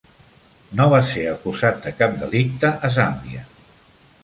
No va ser acusat de cap delicte a Zàmbia.